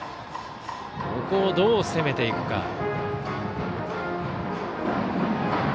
ここを、どう攻めていくか。